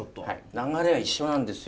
流れは一緒なんですよ。